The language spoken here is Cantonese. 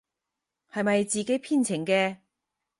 係咪自己編程嘅？